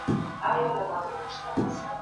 نړیواله ټولنه د شخړو په پای ته رسولو کي مرسته کوي.